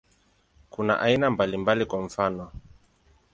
Kuna aina mbalimbali, kwa mfano.